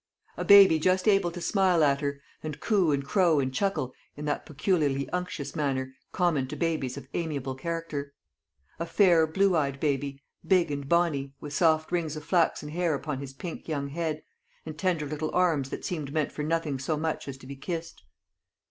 A baby just able to smile at her, and coo and crow and chuckle in that peculiarly unctuous manner common to babies of amiable character; a fair blue eyed baby, big and bonny, with soft rings of flaxen hair upon his pink young head, and tender little arms that seemed meant for nothing so much as to be kissed.